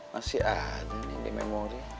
masih ada ini di memori